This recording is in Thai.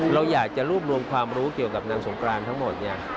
เราอยากจะรวบรวมความรู้เกี่ยวกับนางสงกรานทั้งหมดเนี่ย